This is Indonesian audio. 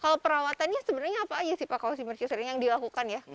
kalau perawatannya sebenarnya apa aja sih pak kalau simersuring yang dilakukan ya